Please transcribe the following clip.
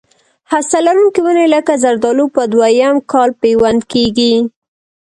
هسته لرونکي ونې لکه زردالو په دوه یم کال پیوند کېږي.